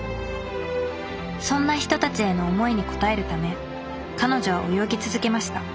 そんな人たちへの思いに応えるため彼女は泳ぎ続けました。